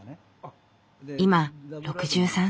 今６３歳。